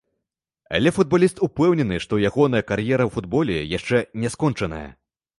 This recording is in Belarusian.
Але футбаліст упэўнены, што ягоная кар'ера ў футболе яшчэ не скончаная.